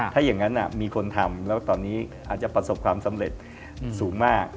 ถ้าอย่างนั้นมีคนทำแล้วตอนนี้อาจจะประสบความสำเร็จสูงมาก